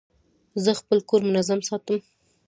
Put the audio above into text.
زه خپل کور منظم ساتم.